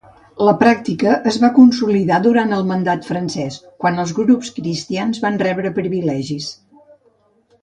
La pràctica es va consolidar durant el mandat francès, quan els grups cristians van rebre privilegis.